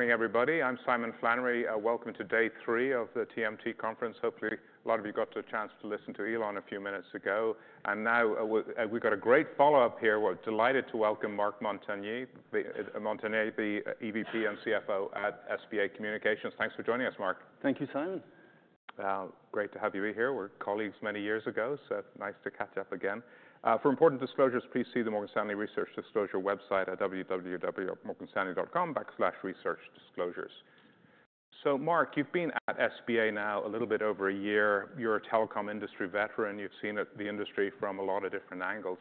Good morning, everybody. I'm Simon Flannery. Welcome to day three of the TMT Conference. Hopefully, a lot of you got a chance to listen to Elon a few minutes ago. And now we've got a great follow-up here. We're delighted to welcome Marc Montagner, the EVP and CFO at SBA Communications. Thanks for joining us, Marc. Thank you, Simon. Great to have you here. We're colleagues many years ago, so nice to catch up again. For important disclosures, please see the Morgan Stanley Research Disclosure website at www.morganstanley.com/researchdisclosures. So, Marc, you've been at SBA now a little bit over a year. You're a telecom industry veteran. You've seen the industry from a lot of different angles.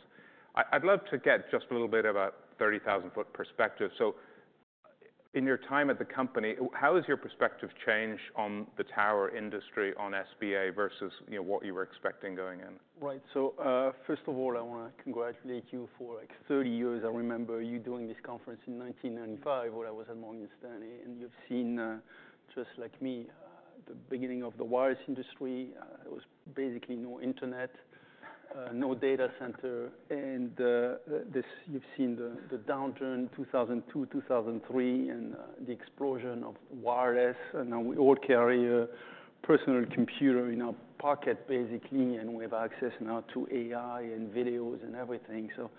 I'd love to get just a little bit of a 30,000-foot perspective. So, in your time at the company, how has your perspective changed on the tower industry on SBA versus what you were expecting going in? Right. So, first of all, I want to congratulate you for, like, 30 years. I remember you doing this conference in 1995, while I was at Morgan Stanley, and you've seen, just like me, the beginning of the wireless industry. There was basically no internet, no data center, and you've seen the downturn in 2002, 2003, and the explosion of wireless, and now we all carry a personal computer in our pocket, basically, and we have access now to AI and videos and everything, so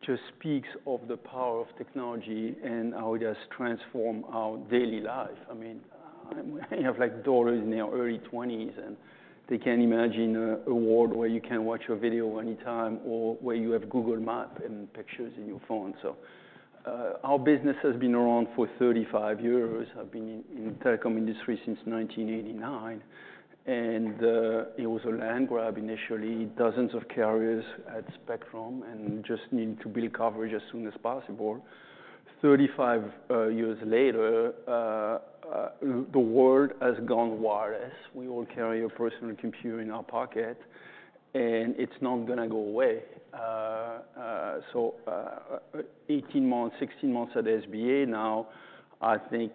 it just speaks of the power of technology and how it has transformed our daily life. I mean, you have, like, daughters in their early 20s, and they can imagine a world where you can watch a video anytime, or where you have Google Maps and pictures in your phone, so our business has been around for 35 years. I've been in the telecom industry since 1989, and it was a land grab initially, dozens of carriers at spectrum, and just needed to build coverage as soon as possible. 35 years later, the world has gone wireless. We all carry a personal computer in our pocket, and it's not going to go away, so 18 months, 16 months at SBA now, I think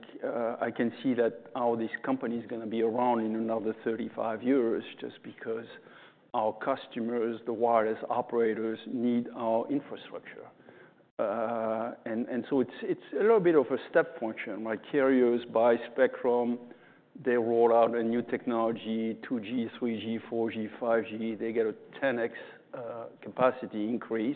I can see that how this company is going to be around in another 35 years, just because our customers, the wireless operators, need our infrastructure, and so it's a little bit of a step function, right? Carriers buy spectrum. They roll out a new technology, 2G, 3G, 4G, 5G. They get a 10x capacity increase,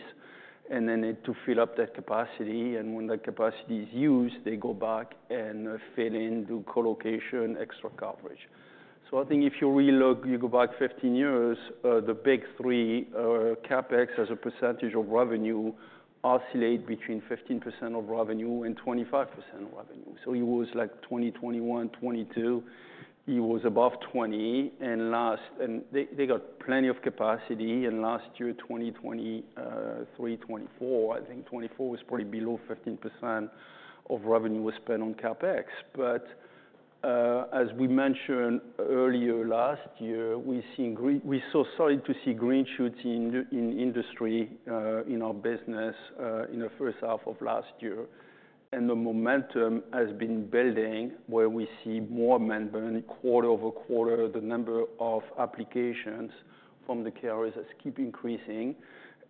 and then they need to fill up that capacity, and when that capacity is used, they go back and fill in the colocation, extra coverage. So I think if you really look, you go back 15 years, the big three, CapEx as a percentage of revenue, oscillate between 15% of revenue and 25% of revenue. So it was, like, 2021, 2022, it was above 20. And they got plenty of capacity. And last year, 2023, 2024, I think 2024 was probably below 15% of revenue was spent on CapEx. But as we mentioned earlier last year, we started to see green shoots in industry in our business in the first half of last year. And the momentum has been building, where we see more amendment, quarter over quarter, the number of applications from the carriers has kept increasing.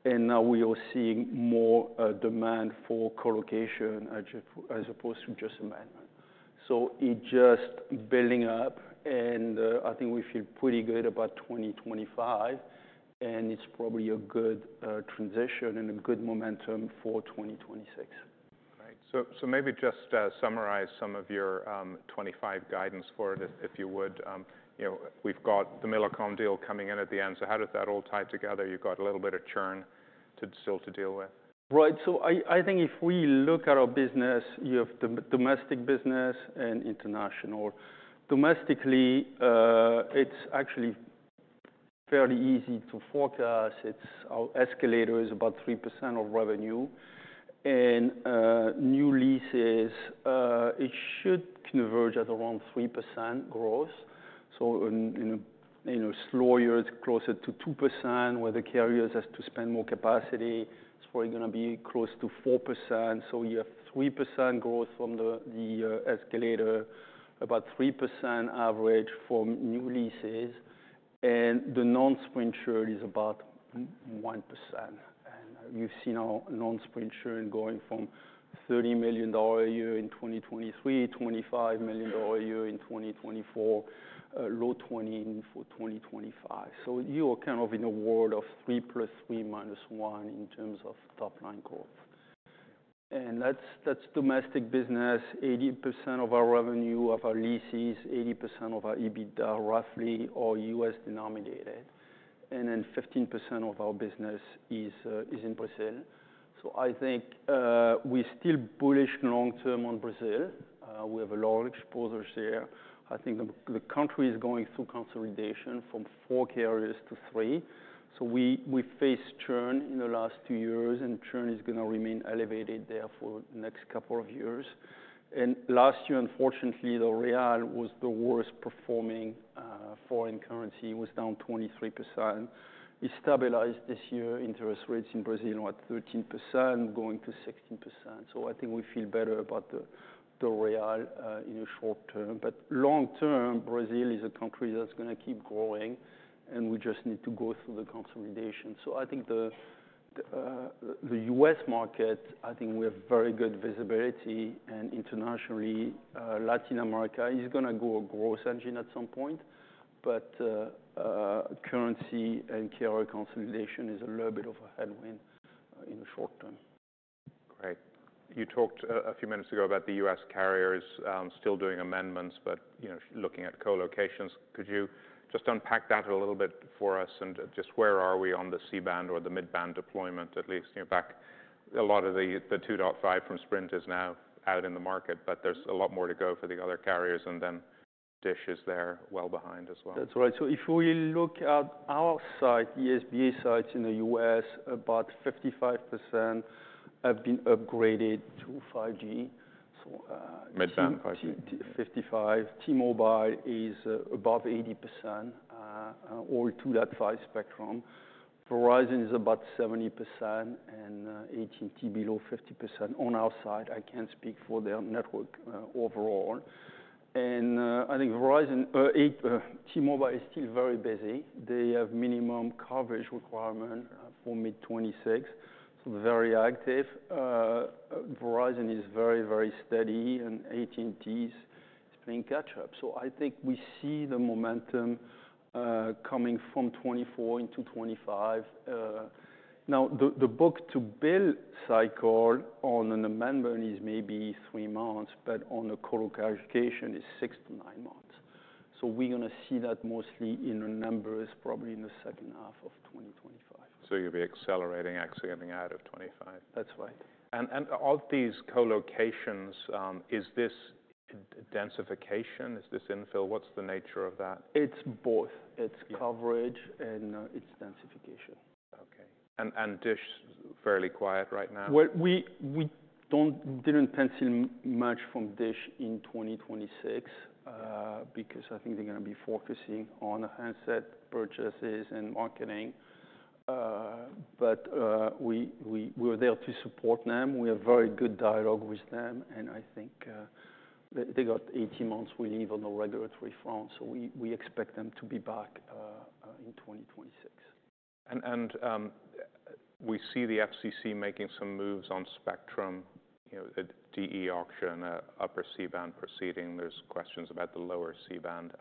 And now we are seeing more demand for colocation as opposed to just amendment. So it's just building up. And I think we feel pretty good about 2025. It's probably a good transition and a good momentum for 2026. Great. So maybe just summarize some of your '25 guidance for it, if you would. We've got the Millicom deal coming in at the end. So how does that all tie together? You've got a little bit of churn still to deal with. Right. So I think if we look at our business, you have the domestic business and international. Domestically, it's actually fairly easy to forecast. Our escalator is about 3% of revenue. And new leases, it should converge at around 3% growth. So in slower years, closer to 2%, where the carriers have to spend more capacity. It's probably going to be close to 4%. So you have 3% growth from the escalator, about 3% average for new leases. And the non-Sprint churn is about 1%. And you've seen our non-Sprint churn going from $30 million a year in 2023, $25 million a year in 2024, low $20 million for 2025. So you are kind of in a world of 3 plus 3 minus 1 in terms of top-line growth. And that's domestic business. 80% of our revenue of our leases, 80% of our EBITDA, roughly are U.S. denominated. And then 15% of our business is in Brazil. So I think we're still bullish long-term on Brazil. We have a large exposure there. I think the country is going through consolidation from four carriers to three. So we faced churn in the last two years. And churn is going to remain elevated there for the next couple of years. And last year, unfortunately, the real was the worst performing foreign currency. It was down 23%. It stabilized this year. Interest rates in Brazil are at 13%, going to 16%. So I think we feel better about the real in the short term. But long-term, Brazil is a country that's going to keep growing. And we just need to go through the consolidation. So I think the U.S. market, I think we have very good visibility. And internationally, Latin America is going to go a growth engine at some point. But currency and carrier consolidation is a little bit of a headwind in the short term. Great. You talked a few minutes ago about the U.S. carriers still doing amendments, but looking at colocations. Could you just unpack that a little bit for us? And just where are we on the C-band or the mid-band deployment, at least? A lot of the 2.5 from Sprint is now out in the market. But there's a lot more to go for the other carriers. And then DISH is there well behind as well. That's right. So if we look at our site, the SBA sites in the U.S., about 55% have been upgraded to 5G. Mid-band, 5G. T-Mobile is above 80%, all 2.5 spectrum. Verizon is about 70%, and AT&T below 50% on our side. I can't speak for their network overall. I think T-Mobile is still very busy. They have minimum coverage requirement for mid-2026. They're very active. Verizon is very, very steady. AT&T is playing catch-up. I think we see the momentum coming from 2024 into 2025. Now, the book-to-build cycle on an amendment is maybe three months. But on a colocation is six to nine months. We're going to see that mostly in the numbers, probably in the second half of 2025. You'll be accelerating exiting out of 2025. That's right. Of these colocations, is this densification? Is this infill? What's the nature of that? It's both. It's coverage and it's densification. OK. And DISH is fairly quiet right now? We didn't pencil much from DISH in 2026, because I think they're going to be focusing on handset purchases and marketing. But we are there to support them. We have very good dialogue with them. And I think they got 18 months' window on the regulatory front. So we expect them to be back in 2026. We see the FCC making some moves on spectrum, the DoD auction, upper C-band proceeding. There's questions about the lower C-band.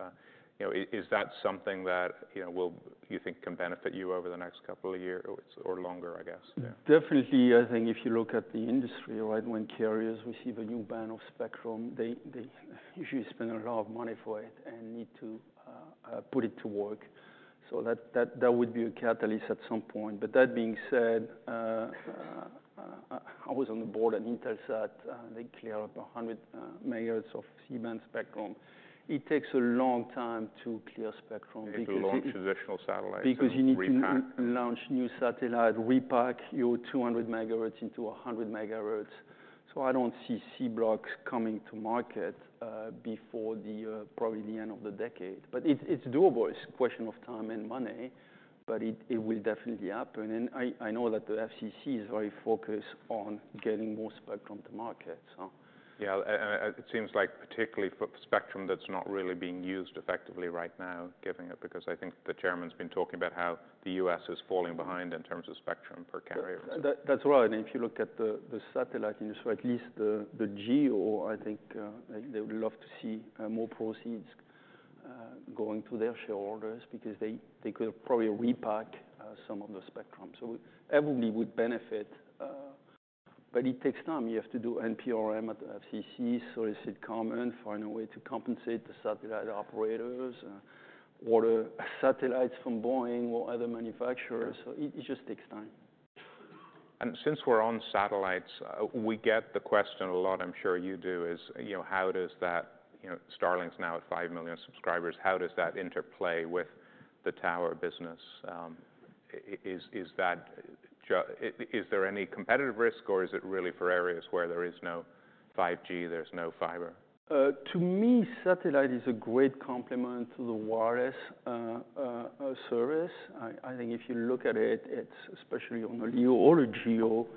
Is that something that you think can benefit you over the next couple of years or longer, I guess? Definitely. I think if you look at the industry, right, when carriers receive a new band of spectrum, they usually spend a lot of money for it and need to put it to work. So that would be a catalyst at some point. But that being said, I was on the board at Intelsat. They cleared up 100 megahertz of C-band spectrum. It takes a long time to clear spectrum. Because you launch traditional satellites. Because you need to launch new satellites, repack your 200 megahertz into 100 megahertz, so I don't see C-band coming to market before probably the end of the decade, but it's doable. It's a question of time and money, but it will definitely happen, and I know that the FCC is very focused on getting more spectrum to market. Yeah. It seems like particularly for spectrum that's not really being used effectively right now, giving it, because I think the chairman's been talking about how the U.S. is falling behind in terms of spectrum per carrier. That's right. And if you look at the satellite industry, at least the GEO, I think they would love to see more proceeds going to their shareholders, because they could probably repack some of the spectrum. So everybody would benefit. But it takes time. You have to do NPRM at the FCC, solicit comments, find a way to compensate the satellite operators, order satellites from Boeing or other manufacturers. So it just takes time. Since we're on satellites, we get the question a lot. I'm sure you do. Is how does that Starlink now at 5 million subscribers? How does that interplay with the tower business? Is there any competitive risk, or is it really for areas where there is no 5G, there's no fiber? To me, satellite is a great complement to the wireless service. I think if you look at it, especially on a LEO or a GEO,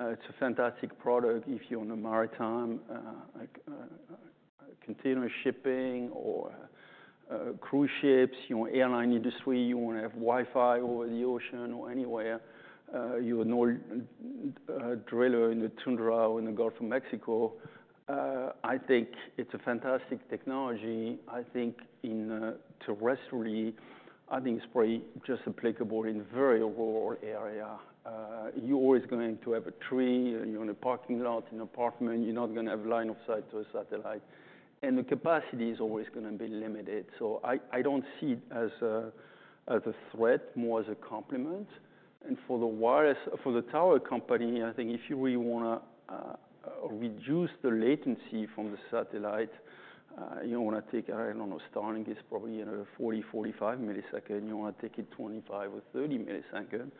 it's a fantastic product if you're on a maritime container shipping or cruise ships, your airline industry, you want to have Wi-Fi over the ocean or anywhere, your driller in the tundra or in the Gulf of Mexico. I think it's a fantastic technology. I think in terrestrially, I think it's probably just applicable in very rural area. You're always going to have a tree. You're in a parking lot in an apartment. You're not going to have line of sight to a satellite, and the capacity is always going to be limited, so I don't see it as a threat, more as a complement. And for the tower company, I think if you really want to reduce the latency from the satellite, you want to take it. I don't know, Starlink is probably 40-45 milliseconds. You want to take it 25 or 30 milliseconds.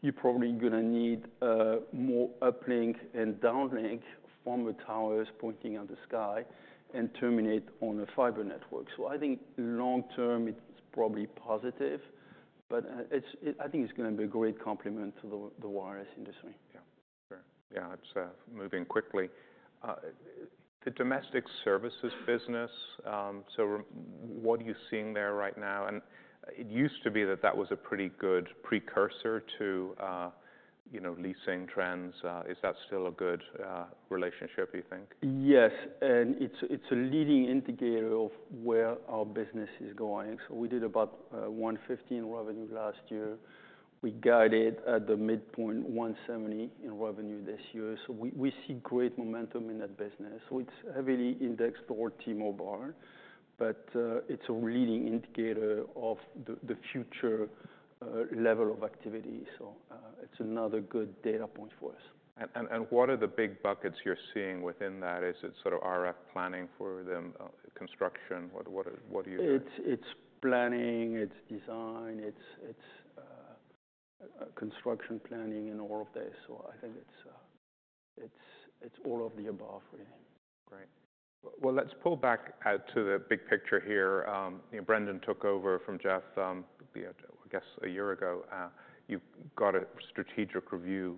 You're probably going to need more uplink and downlink from the towers pointing at the sky and terminate on a fiber network. So I think long-term, it's probably positive. But I think it's going to be a great complement to the wireless industry. Yeah. Yeah. It's moving quickly. The domestic services business, so what are you seeing there right now? And it used to be that that was a pretty good precursor to leasing trends. Is that still a good relationship, do you think? Yes. And it's a leading indicator of where our business is going. So we did about 150 in revenue last year. We guided at the midpoint 170 in revenue this year. So we see great momentum in that business. So it's heavily indexed toward T-Mobile. But it's a leading indicator of the future level of activity. So it's another good data point for us. What are the big buckets you're seeing within that? Is it sort of RF planning for the construction? What are you? It's planning. It's design. It's construction planning and all of this. So I think it's all of the above, really. Great. Well, let's pull back to the big picture here. Brendan took over from Jeff, I guess, a year ago. You've got a strategic review.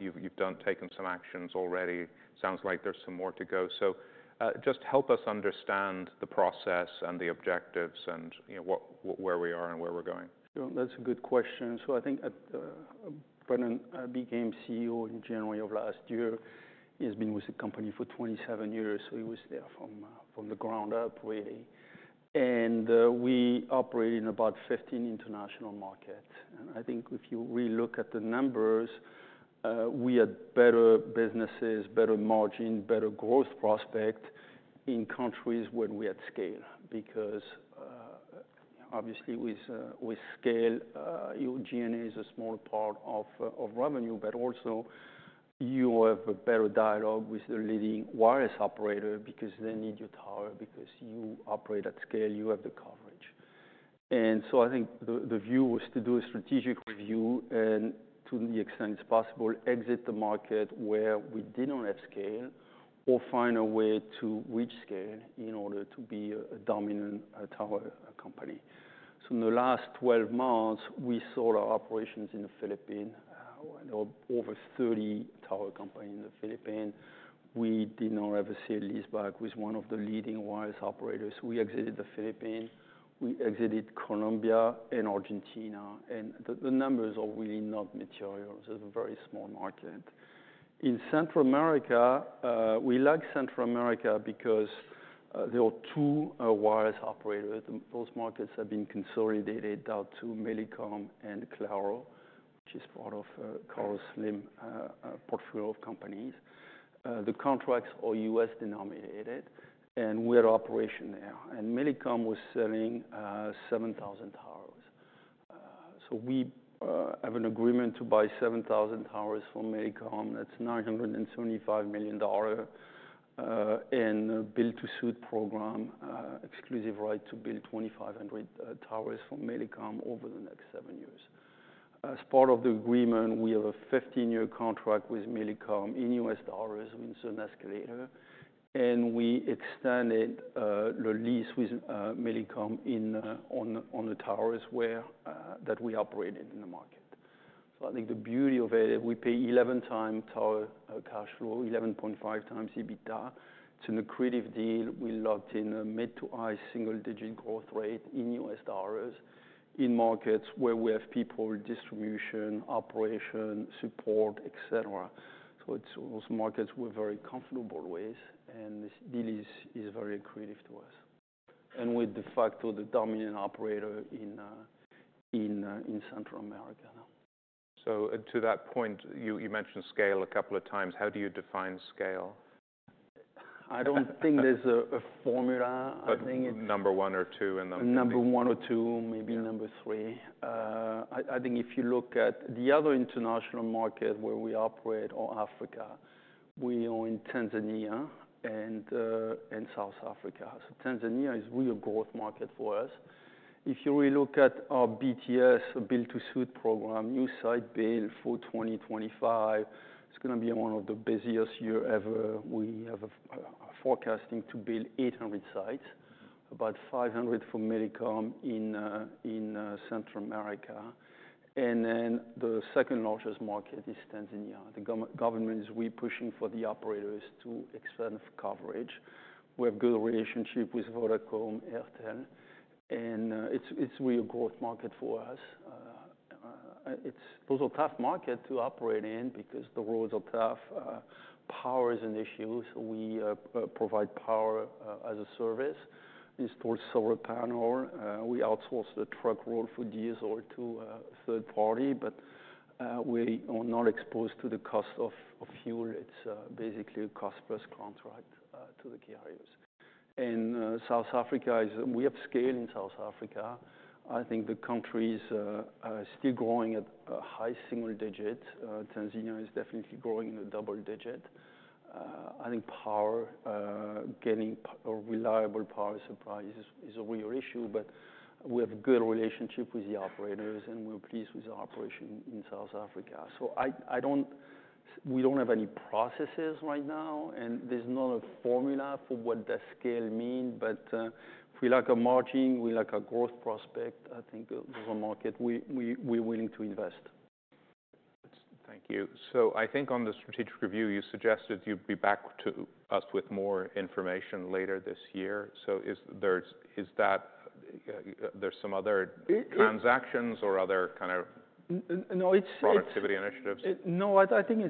You've taken some actions already. Sounds like there's some more to go. So just help us understand the process and the objectives and where we are and where we're going. That's a good question. I think Brendan became CEO in January of last year. He has been with the company for 27 years. He was there from the ground up, really. We operate in about 15 international markets. I think if you really look at the numbers, we had better businesses, better margin, better growth prospect in countries where we had scale. Obviously, with scale, your G&A is a smaller part of revenue. You also have a better dialogue with the leading wireless operator, because they need your tower, because you operate at scale. You have the coverage. The view was to do a strategic review and to the extent it's possible, exit the market where we didn't have scale, or find a way to reach scale in order to be a dominant tower company. So in the last 12 months, we sold our operations in the Philippines. There are over 30 tower companies in the Philippines. We did not ever see a leaseback with one of the leading wireless operators. We exited the Philippines. We exited Colombia and Argentina. And the numbers are really not material. It's a very small market. In Central America, we like Central America because there are two wireless operators. Those markets have been consolidated down to Millicom and Claro, which is part of Carlos Slim's portfolio of companies. The contracts are U.S. denominated. And we had operation there. And Millicom was selling 7,000 towers. So we have an agreement to buy 7,000 towers from Millicom. That's $975 million in a build-to-suit program, exclusive right to build 2,500 towers from Millicom over the next seven years. As part of the agreement, we have a 15-year contract with Millicom in U.S. dollars with an escalator. And we extended the lease with Millicom on the towers that we operated in the market. So I think the beauty of it, we pay 11 times tower cash flow, 11.5 times EBITDA. It's an accretive deal. We locked in a mid- to high single-digit growth rate in U.S. dollars in markets where we have people, distribution, operation, support, et cetera. So those markets we're very comfortable with. And this deal is very accretive to us. And we're de facto the dominant operator in Central America now. So to that point, you mentioned scale a couple of times. How do you define scale? I don't think there's a formula. But number one or two in the. Number one or two, maybe number three. I think if you look at the other international market where we operate, or Africa, we are in Tanzania and South Africa. So Tanzania is a real growth market for us. If you really look at our BTS, a build-to-suit program, new site build for 2025, it's going to be one of the busiest years ever. We have forecasting to build 800 sites, about 500 for Millicom in Central America. And then the second largest market is Tanzania. The government is really pushing for the operators to extend coverage. We have a good relationship with Vodacom, Airtel. And it's really a growth market for us. Those are tough markets to operate in, because the roads are tough. Power is an issue. So we provide power as a service. Install solar panel. We outsource the truckload for diesel to a third party. But we are not exposed to the cost of fuel. It's basically a cost-plus contract to the carriers. And South Africa, we have scale in South Africa. I think the country is still growing at a high single digit. Tanzania is definitely growing in a double digit. I think power, getting reliable power supply is a real issue. But we have a good relationship with the operators. And we're pleased with our operation in South Africa. So we don't have any processes right now. And there's not a formula for what does scale mean. But if we like a margin, we like a growth prospect, I think there's a market we're willing to invest. Thank you. So I think on the strategic review, you suggested you'd be back to us with more information later this year. So is there some other transactions or other kind of productivity initiatives? No. I think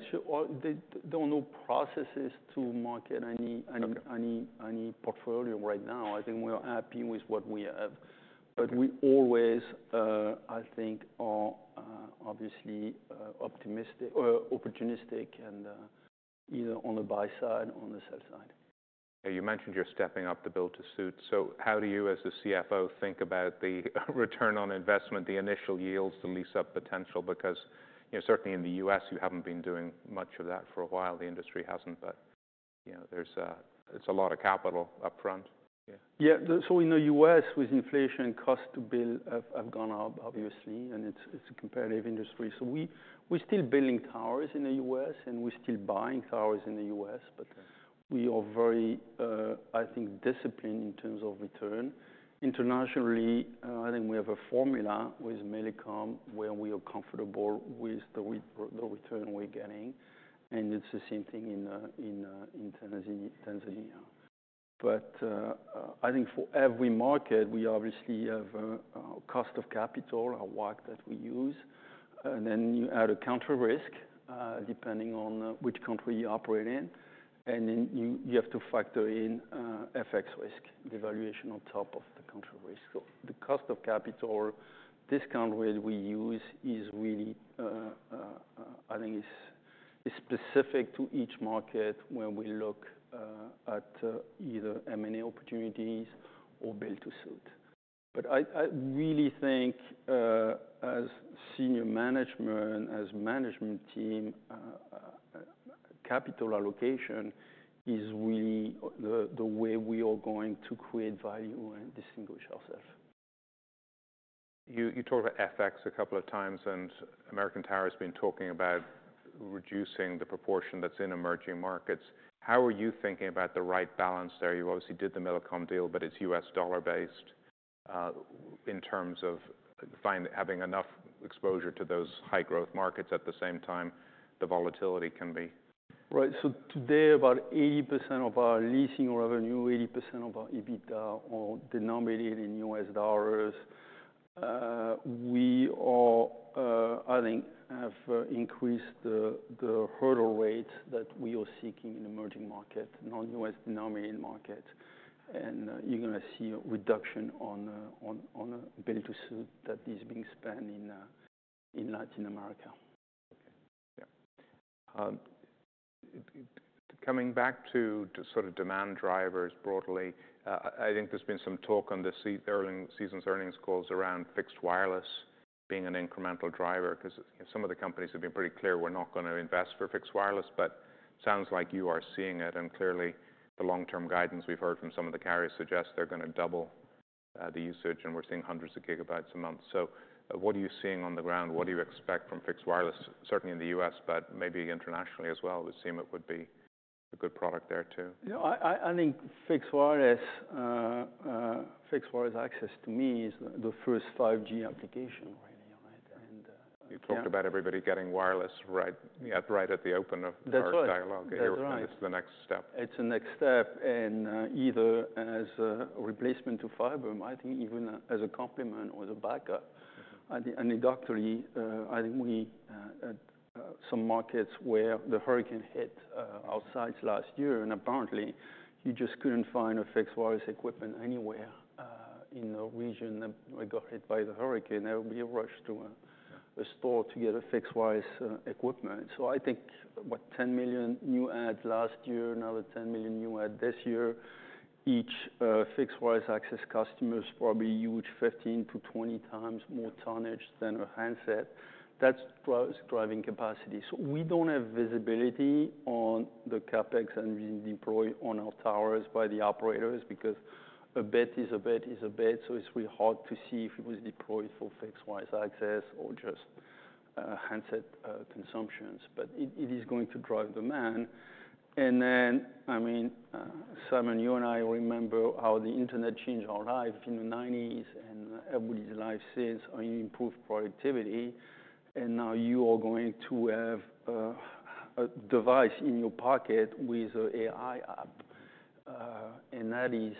they don't know processes to market any portfolio right now. I think we're happy with what we have. But we always, I think, are obviously optimistic and either on the buy side or on the sell side. You mentioned you're stepping up the build-to-suit. So how do you, as the CFO, think about the return on investment, the initial yields, the lease-up potential? Because certainly in the U.S., you haven't been doing much of that for a while. The industry hasn't. But it's a lot of capital upfront. Yeah, so in the U.S., with inflation, cost to build have gone up, obviously, and it's a competitive industry. So we're still building towers in the U.S. And we're still buying towers in the U.S. But we are very, I think, disciplined in terms of return. Internationally, I think we have a formula with Millicom where we are comfortable with the return we're getting. And it's the same thing in Tanzania. But I think for every market, we obviously have cost of capital, our WACC that we use. And then you add a country risk, depending on which country you operate in. And then you have to factor in FX risk, the valuation on top of the country risk. So the cost of capital discount rate we use is really, I think, specific to each market where we look at either M&A opportunities or build-to-suit. But I really think as senior management, as management team, capital allocation is really the way we are going to create value and distinguish ourselves. You talked about FX a couple of times. And American Tower has been talking about reducing the proportion that's in emerging markets. How are you thinking about the right balance there? You obviously did the Millicom deal. But it's U.S. dollar-based in terms of having enough exposure to those high-growth markets. At the same time, the volatility can be. Right. So today, about 80% of our leasing revenue, 80% of our EBITDA are denominated in U.S. dollars. We are, I think, have increased the hurdle rates that we are seeking in emerging markets, non-U.S. denominated markets. And you're going to see a reduction on build-to-suit that is being spent in Latin America. Coming back to sort of demand drivers broadly, I think there's been some talk on the season's earnings calls around fixed wireless being an incremental driver. Because some of the companies have been pretty clear, we're not going to invest for fixed wireless. But it sounds like you are seeing it. And clearly, the long-term guidance we've heard from some of the carriers suggests they're going to double the usage. And we're seeing hundreds of gigabytes a month. So what are you seeing on the ground? What do you expect from fixed wireless, certainly in the U.S., but maybe internationally as well? We see it would be a good product there too. I think fixed wireless, fixed wireless access to me is the first 5G application, really. You talked about everybody getting wireless right at the open of the dialogue. That's right. It's the next step. It's the next step, and either as a replacement to fiber. I think even as a complement or as a backup. And anecdotally, I think we had some markets where the hurricane hit our sites last year. And apparently, you just couldn't find fixed wireless equipment anywhere in the region affected by the hurricane. Everybody rushed to a store to get fixed wireless equipment. So I think, what, 10 million new adds last year, another 10 million new adds this year. Each fixed wireless access customer is probably a huge 15-20 times more tonnage than a handset. That's driving capacity. So we don't have visibility on the CapEx being deployed on our towers by the operators. Because a bit is a bit is a bit. So it's really hard to see if it was deployed for fixed wireless access or just handset consumption. But it is going to drive demand. And then, I mean, Simon, you and I remember how the internet changed our life in the '90s. And everybody's life since improved productivity. And now you are going to have a device in your pocket with an AI app. And that is,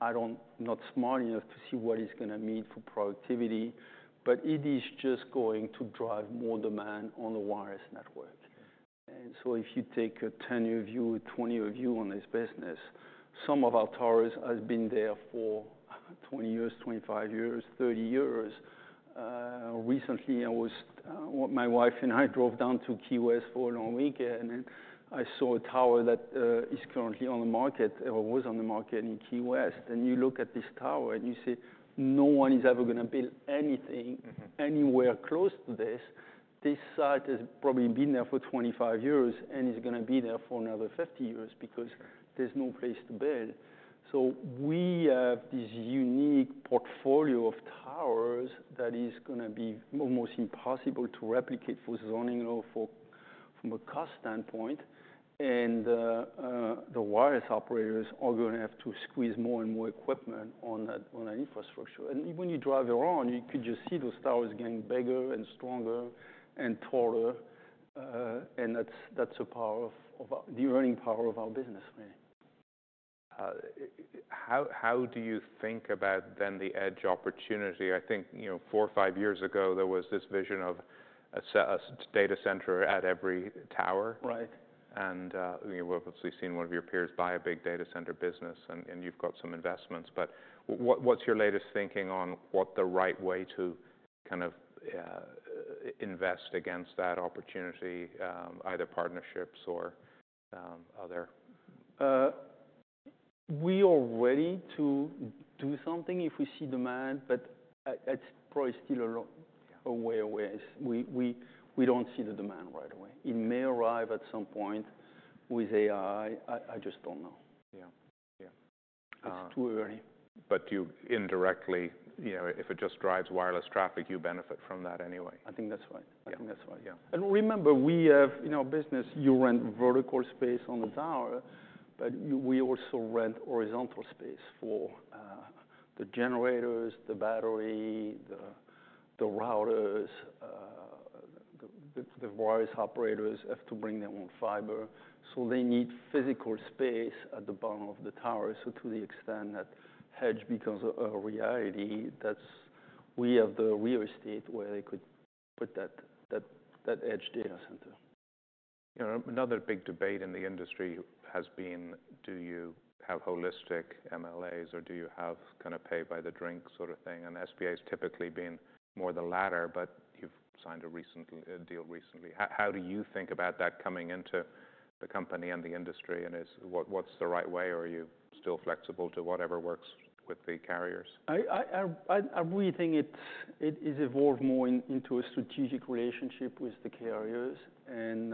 I don't know, not smart enough to see what it's going to mean for productivity. But it is just going to drive more demand on the wireless network. And so if you take a 10-year view, 20-year view on this business, some of our towers have been there for 20 years, 25 years, 30 years. Recently, my wife and I drove down to Key West for a long weekend. And I saw a tower that is currently on the market or was on the market in Key West. And you look at this tower. You see no one is ever going to build anything anywhere close to this. This site has probably been there for 25 years. It's going to be there for another 50 years. Because there's no place to build. We have this unique portfolio of towers that is going to be almost impossible to replicate for zoning laws from a cost standpoint. The wireless operators are going to have to squeeze more and more equipment on that infrastructure. When you drive around, you could just see those towers getting bigger and stronger and taller. That's the earning power of our business, really. How do you think about then the edge opportunity? I think four or five years ago, there was this vision of a data center at every tower. Right. And we've obviously seen one of your peers buy a big data center business. And you've got some investments. But what's your latest thinking on what the right way to kind of invest against that opportunity, either partnerships or other? We are ready to do something if we see demand. But it's probably still a way away. We don't see the demand right away. It may arrive at some point with AI. I just don't know. Yeah. Yeah. It's too early. But indirectly, if it just drives wireless traffic, you benefit from that anyway. I think that's right. I think that's right. And remember, in our business, you rent vertical space on the tower. But we also rent horizontal space for the generators, the battery, the routers. The wireless operators have to bring their own fiber. So they need physical space at the bottom of the tower. So to the extent that edge becomes a reality, we have the real estate where they could put that edge data center. Another big debate in the industry has been, do you have holistic MLAs? Or do you have kind of pay-by-the-drink sort of thing? And SBA has typically been more the latter. But you've signed a deal recently. How do you think about that coming into the company and the industry? And what's the right way? Or are you still flexible to whatever works with the carriers? I really think it has evolved more into a strategic relationship with the carriers. And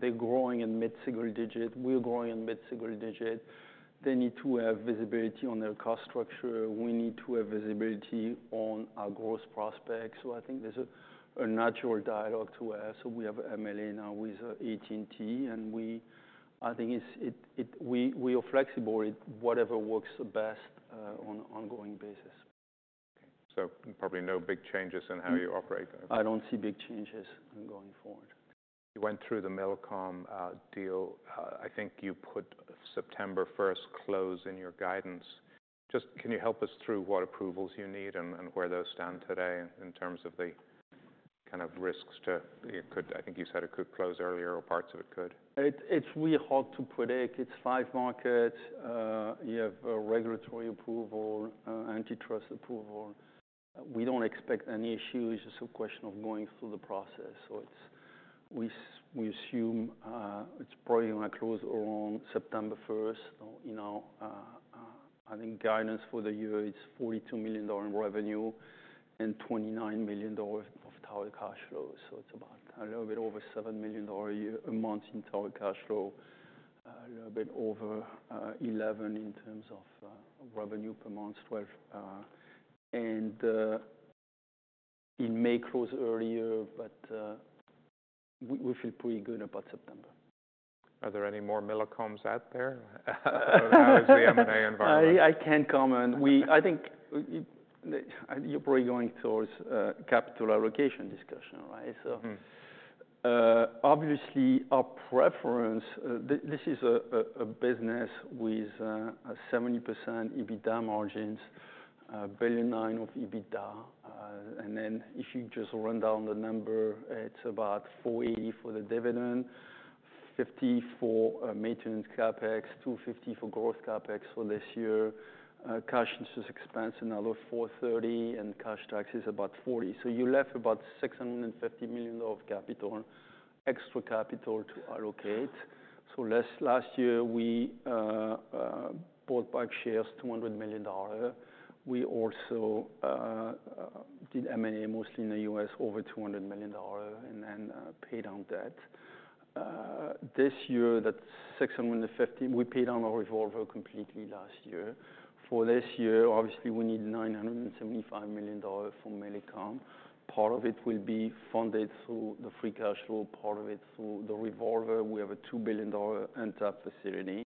they're growing in mid-single digit. We're growing in mid-single digit. They need to have visibility on their cost structure. We need to have visibility on our growth prospects. So I think there's a natural dialogue to have. So we have MLA now with AT&T. And I think we are flexible. Whatever works best on an ongoing basis. So probably no big changes in how you operate. I don't see big changes going forward. You went through the Millicom deal. I think you put September 1st close in your guidance. Just can you help us through what approvals you need and where those stand today in terms of the kind of risks? I think you said it could close earlier. Or parts of it could. It's really hard to predict. It's five markets. You have regulatory approval, antitrust approval. We don't expect any issues. It's a question of going through the process. So we assume it's probably going to close around September 1. I think guidance for the year is $42 million in revenue and $29 million of tower cash flow. So it's about a little bit over $7 million a month in tower cash flow, a little bit over $11 million in terms of revenue per month, $12 million. And it may close earlier. But we feel pretty good about September. Are there any more Millicoms out there? How is the M&A environment? I can't comment. I think you're probably going towards capital allocation discussion, right? So obviously, our preference, this is a business with 70% EBITDA margins, $1.9 billion of EBITDA. And then if you just run down the number, it's about $480 million for the dividend, $50 million for maintenance CapEx, $250 million for growth CapEx for this year, cash interest expense another $430 million, and cash taxes about $40 million. So you left about $650 million of capital, extra capital to allocate. So last year, we bought back shares, $200 million. We also did M&A mostly in the US, over $200 million, and then paid down debt. This year, that $650 million, we paid down our revolver completely last year. For this year, obviously, we need $975 million for Millicom. Part of it will be funded through the free cash flow, part of it through the revolver. We have a $2 billion undrawn facility.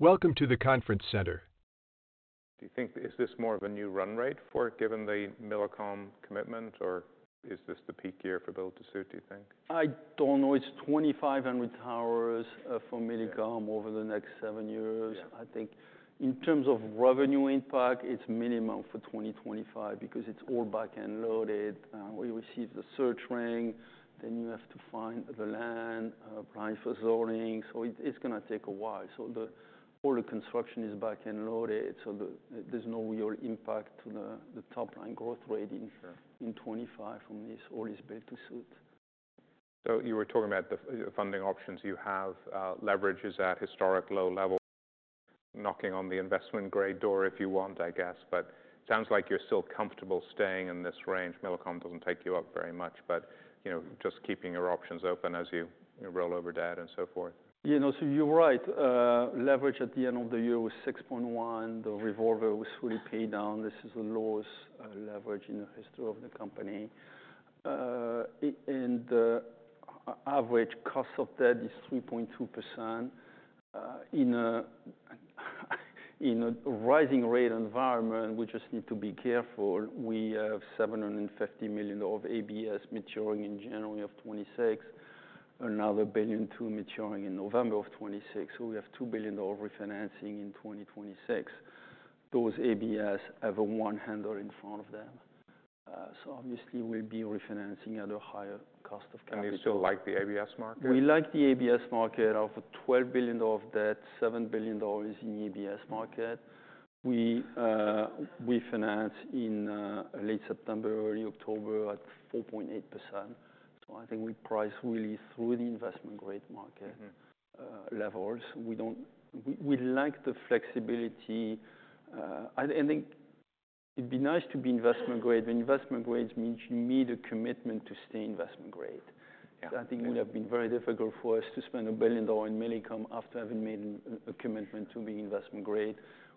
Welcome to the conference center. Do you think is this more of a new run rate for it, given the Millicom commitment? Or is this the peak year for build-to-suit, do you think? I don't know. It's 2,500 towers for Millicom over the next seven years. I think in terms of revenue impact, it's minimum for 2025. Because it's all back-end loaded. We receive the search ring. Then you have to find the land, apply for zoning. So it's going to take a while. So all the construction is back-end loaded. So there's no real impact to the top line growth rate in 2025 from all this build-to-suit. So you were talking about the funding options you have. Leverage is at historic low level, knocking on the investment grade door, if you want, I guess. But it sounds like you're still comfortable staying in this range. Millicom doesn't take you up very much. But just keeping your options open as you roll over debt and so forth. Yeah. So you're right. Leverage at the end of the year was 6.1. The revolver was fully paid down. This is the lowest leverage in the history of the company. And average cost of debt is 3.2%. In a rising rate environment, we just need to be careful. We have $750 million of ABS maturing in January of 2026, another $1.2 billion maturing in November of 2026. So we have $2 billion refinancing in 2026. Those ABS have one handle in front of them. So obviously, we'll be refinancing at a higher cost of capital. You still like the ABS market? We like the ABS market. Of $12 billion of debt, $7 billion in ABS market. We refinance in late September, early October at 4.8%, so I think we price really through the investment grade market levels. We like the flexibility. I think it'd be nice to be investment grade, but investment grade means you made a commitment to stay investment grade. I think it would have been very difficult for us to spend $1 billion in Millicom after having made a commitment to being investment grade.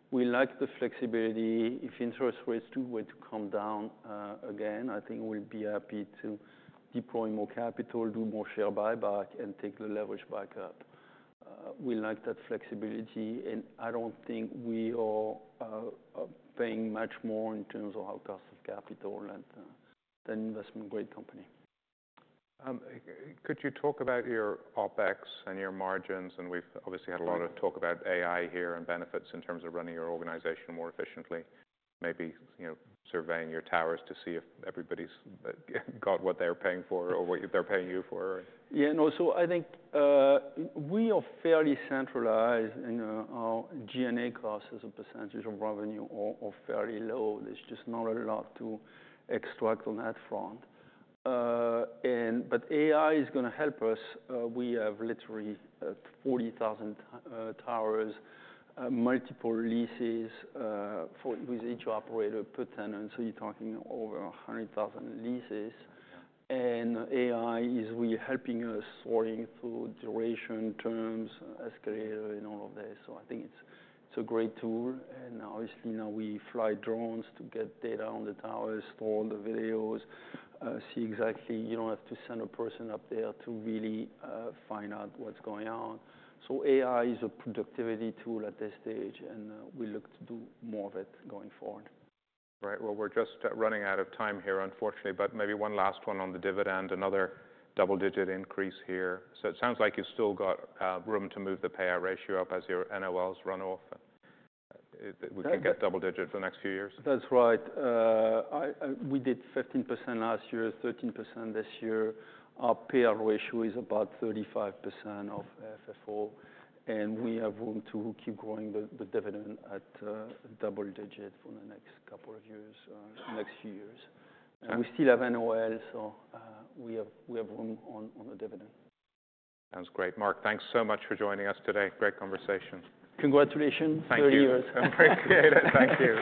We like the flexibility. If interest rates do were to come down again, I think we'll be happy to deploy more capital, do more share buyback, and take the leverage back up. We like that flexibility, and I don't think we are paying much more in terms of our cost of capital than an investment grade company. Could you talk about your OpEx and your margins? We've obviously had a lot of talk about AI here and benefits in terms of running your organization more efficiently, maybe surveying your towers to see if everybody's got what they're paying for or what they're paying you for. Yeah. So I think we are fairly centralized. And our G&A cost as a percentage of revenue are fairly low. There's just not a lot to extract on that front. But AI is going to help us. We have literally 40,000 towers, multiple leases with each operator per tenant. So you're talking over 100,000 leases. And AI is really helping us sorting through duration, terms, escalator, and all of this. So I think it's a great tool. And obviously, now we fly drones to get data on the towers, store the videos, see exactly. You don't have to send a person up there to really find out what's going on. So AI is a productivity tool at this stage. And we look to do more of it going forward. Right. Well, we're just running out of time here, unfortunately. But maybe one last one on the dividend, another double-digit increase here. So it sounds like you've still got room to move the payout ratio up as your NOLs run off. We can get double-digit for the next few years. That's right. We did 15% last year, 13% this year. Our payout ratio is about 35% of FFO, and we have room to keep growing the dividend at double-digit for the next couple of years, next few years. We still have NOL, so we have room on the dividend. Sounds great. Marc, thanks so much for joining us today. Great conversation. Congratulations. Thank you. 30 years. Appreciate it. Thank you.